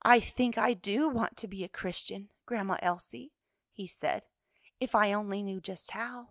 "I think I do want to be a Christian, Grandma Elsie," he said, "if I only knew just how."